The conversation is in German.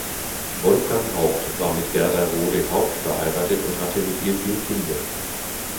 Wolfgang Haupt war mit Gerda Rohde-Haupt verheiratet und hatte mit ihr vier Kinder.